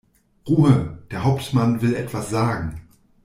Ruhe! Der Hauptmann will etwas sagen.